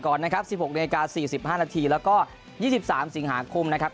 ก่อนนะครับ๑๖นาที๔๕นาทีแล้วก็๒๓สิงหาคมนะครับ